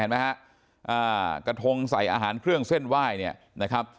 เห็นไหมฮะกระทงใส่อาหารเครื่องเส้นไหว้เนี่ยนะครับ